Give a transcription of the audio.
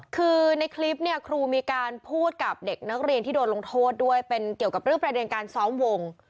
คือในคลิปเนี่ยครูมีการพูดกับเด็กนักเรียนที่โดนลงโทษด้วยเป็นเกี่ยวกับเรื่องประเด็นการซ้อมวง